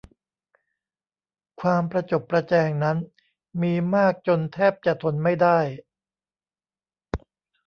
ความประจบประแจงนั้นมีมากจนแทบจะทนไม่ได้